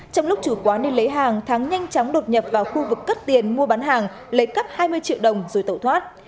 trong lúc chủ quán nên lấy hàng thắng nhanh chóng đột nhập vào khu vực cất tiền mua bán hàng lấy cắp hai mươi triệu đồng rồi tẩu thoát